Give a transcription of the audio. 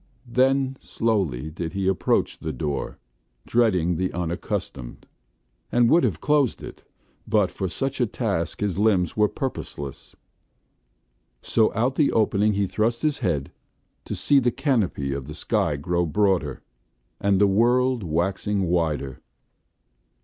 Then slowly did he approach the door, dreading the unaccustomed, and would have closed it, but for such a task his limbs were purposeless. So out the opening he thrust his head, to see the canopy of the sky grow broader, and the world waxing wider.